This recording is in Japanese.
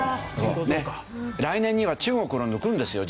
来年には中国を抜くんですよ